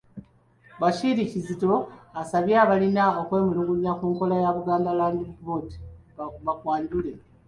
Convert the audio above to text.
Bashir Kizito asabye abalina okwemulugunya ku nkola ya Buganda Land Board bakwanjule.